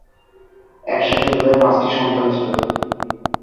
একসাথে তাদের পাঁচটি সন্তান ছিল।